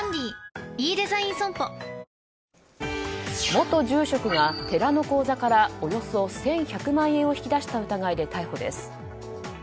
元住職が寺の口座からおよそ１１００万円を引き出した疑いで逮捕です。